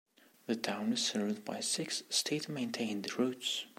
The town is served by six state-maintained routes.